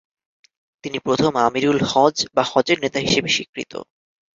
তিনি প্রথম আমিরুল হজ্জ বা হজ্জের নেতা হিসেবে স্বীকৃত।